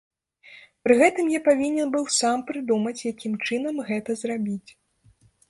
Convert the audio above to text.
Пры гэтым я павінен быў сам прыдумаць, якім чынам гэта зрабіць.